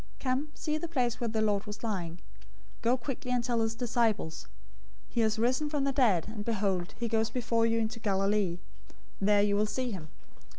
Come, see the place where the Lord was lying. 028:007 Go quickly and tell his disciples, 'He has risen from the dead, and behold, he goes before you into Galilee; there you will see him.'